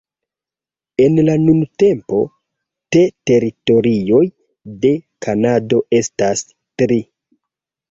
En la nuntempo, te teritorioj de Kanado estas tri.